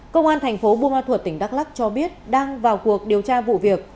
công an thành phố buôn ma thuật tỉnh đắk lắc cho biết đang vào cuộc điều tra vụ việc